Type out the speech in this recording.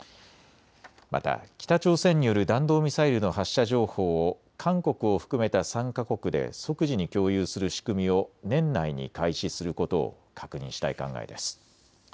また北朝鮮による弾道ミサイルの発射情報を韓国を含めた３か国で即時に共有する仕組みを年内に開始することを確認したい考えです。